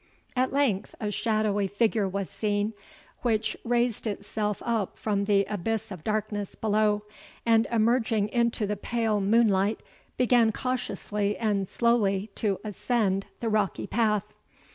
At length a shadowy figure was seen, which raised itself up from the abyss of darkness below, and, emerging into the pale moonlight, began cautiously and slowly to ascend the rocky path.